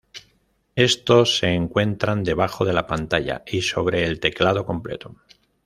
Estos se encuentran debajo de la pantalla y sobre el teclado completo.